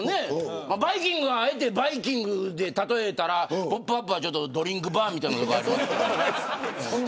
バイキングはあえてバイキングで例えたらポップＵＰ！はちょっとドリンクバーみたいな。